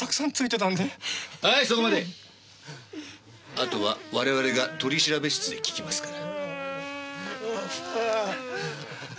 あとは我々が取調室で聞きますから。